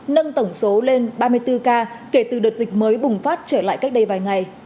nâng tổng số lên ba mươi bốn ca kể từ đợt dịch mới bùng phát trở lại cách đây vài ngày